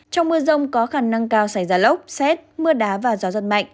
trong mưa rông có khả năng cao xảy ra lốc xét mưa đá và gió giật mạnh